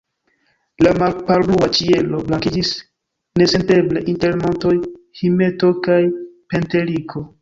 La malpalblua ĉielo blankiĝis nesenteble inter montoj Himeto kaj Penteliko.